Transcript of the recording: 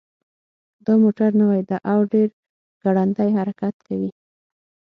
دا موټر نوی ده او ډېر ګړندی حرکت کوي